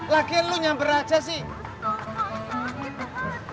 lagi lu nyamber aja sih